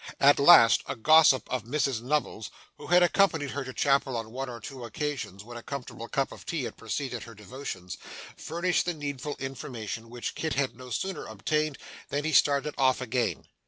At last, a gossip of Mrs Nubbles's, who had accompanied her to chapel on one or two occasions when a comfortable cup of tea had preceded her devotions, furnished the needful information, which Kit had no sooner obtained than he started off again.